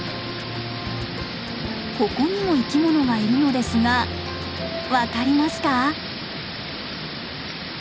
ここにも生き物がいるのですが分かりますか？